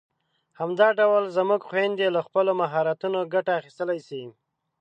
همدا ډول زموږ خويندې له خپلو مهارتونو ګټه اخیستلای شي.